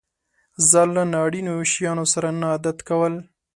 ځان له نا اړينو شيانو سره نه عادت کول.